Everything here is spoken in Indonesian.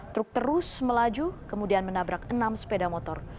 truk terus melaju kemudian menabrak enam sepeda motor